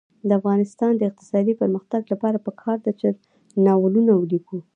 د افغانستان د اقتصادي پرمختګ لپاره پکار ده چې ناولونه ولیکو.